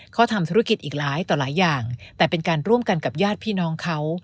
เขาทำธุรกิจอีกหลายต่อหลายอย่างแต่เป็นการร่วมกันกับญาติพี่น้องเขา